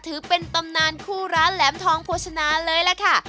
ถือเป็นตำนานคู่ร้านแหลมทองโภชนาเลยล่ะค่ะ